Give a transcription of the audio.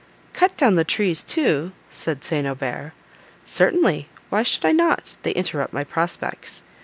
"Cut down the trees too!" said St. Aubert. "Certainly. Why should I not? they interrupt my prospects.